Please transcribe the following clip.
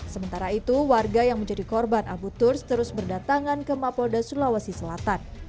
sementara itu warga yang menjadi korban abu turs terus berdatangan ke mapolda sulawesi selatan